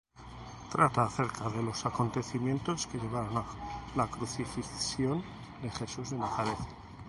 Trata acerca de los acontecimientos que llevaron a la crucifixión de Jesús de Nazaret.